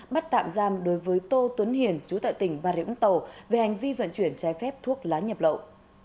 bắt tạm giam đối với tô tuấn hiền chú tại tỉnh bà rịa úng tàu về hành vi vận chuyển trái phép thuốc lá nhập lậu